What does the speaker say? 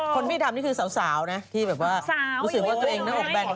คนที่ทำนี่คือสาวนะที่แบบว่ารู้สึกว่าตัวเองหน้าอกแบน